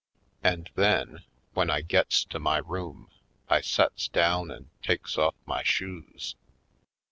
And then, when I gets to my room, I sets down and takes off my shoes.